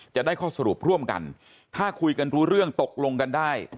จะได้ข้อสรุปร่วมกันถ้าคุยกันรู้เรื่องตกลงกันได้